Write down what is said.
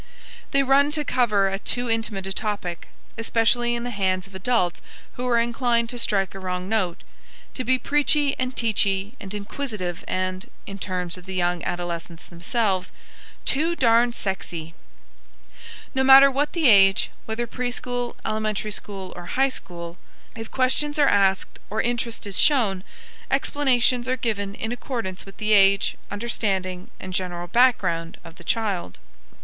They run to cover at too intimate a topic, especially in the hands of adults who are inclined to strike a wrong note; to be preachy and teachy and inquisitive and, in terms of the young adolescents themselves, "too darn sexy!" No matter what the age, whether pre school, elementary school, or high school, if questions are asked or interest is shown, explanations are given in accordance with the age, understanding, and general background of the child.